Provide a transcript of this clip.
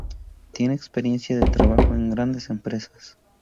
Tiene experiencia de trabajo en grandes empresas.